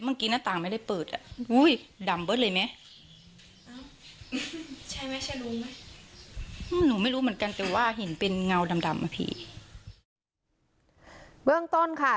มันเคียงหน้าต่างไม่ได้เปิดอ่ะเบิร์งต้นค่ะ